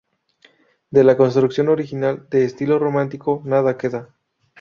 De la construcción original, de estilo románico, nada queda.